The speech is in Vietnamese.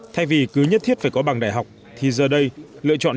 thay vì cứ nhất thiết phải có bằng đại học thì giờ đây lựa chọn trường nghề là một lựa chọn